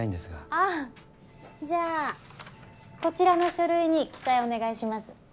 あぁじゃあこちらの書類に記載お願いします。